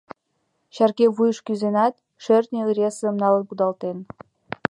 Черке вуйыш кӱзенат, шӧртньӧ ыресым налын кудалтен.